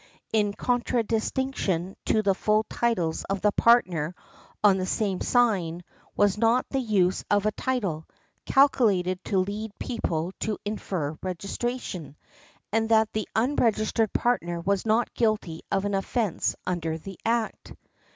in contradistinction to the full titles of the partner on the same sign was not the use of a title "calculated to lead people to infer registration," and that the unregistered partner was not guilty of an offence under the act .